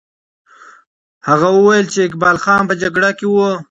هغه وویل چې اقبال خان په جګړه کې وو.